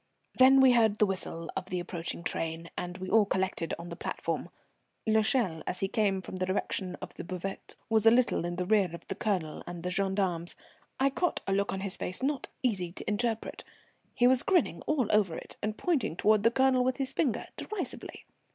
Then we heard the whistle of the approaching train, and we all collected on the platform. L'Echelle, as he came from the direction of the buvette, was a little in the rear of the Colonel and the gendarmes. I caught a look on his face not easy to interpret. He was grinning all over it and pointing toward the Colonel with his finger, derisively.